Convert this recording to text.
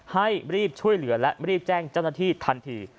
ให้รีบช่วยเหลือและรีบแจ้งเจ้าหน้าที่ทันที